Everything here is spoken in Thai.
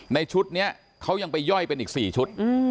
ชุดนี้เขายังไปย่อยเป็นอีก๔ชุด